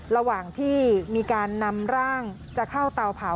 ระหว่างที่มีการนำร่างจะเข้าเตาเผา